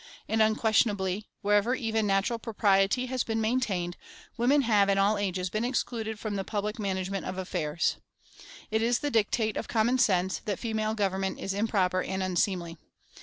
^ And unquestionably,* wherever even natural propriety has been maintained, women have in all ages been excluded from the public manage ment of affairs. It is the dictate of common sense, that female government is improper and unseemly.